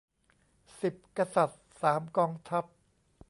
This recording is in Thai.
สิบกษัตริย์ สามกองทัพ